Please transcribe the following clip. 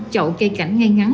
chậu cây cảnh ngay ngắn